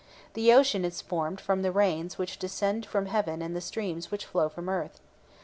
The ocean is formed from the rains which descend from heaven and the streams which flow from earth.